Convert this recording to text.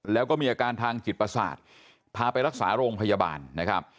แล้วก็มีอาการทางจิตประสาทพาไปรักษาโรงพยาบาลนะครับ